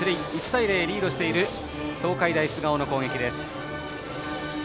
１対０でリードしている東海大菅生の攻撃です。